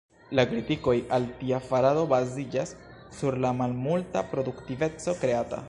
La kritikoj al tia farado baziĝas sur la malmulta produktiveco kreata.